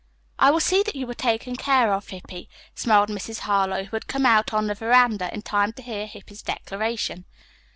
"I will see that you are taken care of, Hippy," smiled Mrs. Harlowe, who had come out on the veranda in time to hear Hippy's declaration.